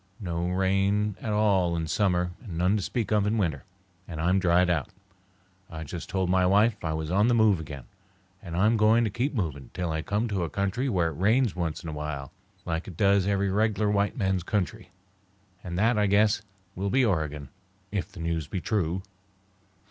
No rain at all in summer and none to speak of in winter, and I'm dried out. I just told my wife I was on the move again, and I'm going to keep moving till I come to a country where it rains once in a while, like it does in every reg'lar white man's country; and that, I guess, will be Oregon, if the news be true."